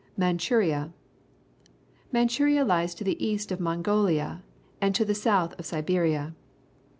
MANCHURIA Manchuria lies to the east of Mongolia and to the south of Siberia.